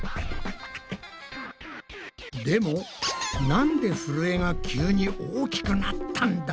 でもなんでふるえが急に大きくなったんだ？